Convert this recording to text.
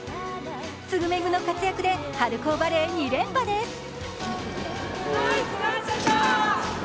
ツグメグの活躍で春高バレー、２連勝です。